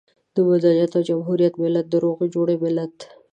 د مدنيت او جمهوريت ملت، د روغې جوړې ملت.